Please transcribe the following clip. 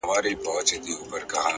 ځم د روح په هر رگ کي خندا کومه _